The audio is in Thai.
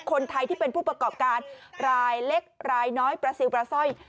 คนไทยที่เป็นผู้ประกอบการรายเล็กรายน้อยปลาซิลปลาสร้อย